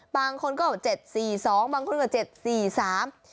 บางคนก็เห็น๗๔๒บางคนก็เห็น๗๔๓